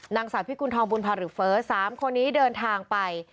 นางสาวพิกุณฑองบุญภาหรือเฟ้อ๓คนนี้เดินทางไป